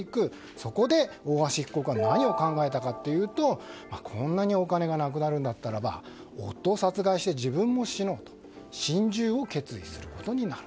そこで、大橋被告は何を考えたかというとこんなにお金がなくなるならば夫を殺害して自分も死のうと心中を決意することになる。